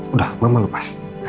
udah mama lepas